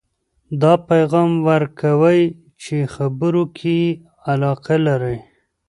دا پیغام ورکوئ چې خبرو کې یې علاقه لرئ